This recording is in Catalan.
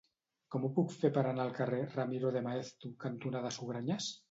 Com ho puc fer per anar al carrer Ramiro de Maeztu cantonada Sugranyes?